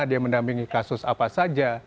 dia mendampingi kasus apa saja